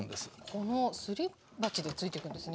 このすり鉢でついていくんですね。